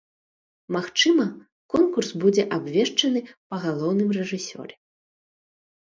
Магчыма, конкурс будзе абвешчаны па галоўным рэжысёры.